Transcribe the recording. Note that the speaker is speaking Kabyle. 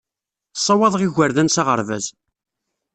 Ssawaḍeɣ igerdan s aɣerbaz.